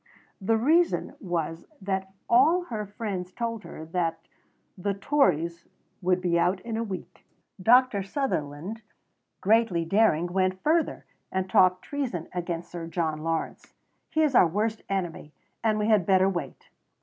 The reason was that all her friends told her that "the Tories would be out in a week." Dr. Sutherland, greatly daring, went further and talked treason against Sir John Lawrence: "He is our worst enemy," and "we had better wait."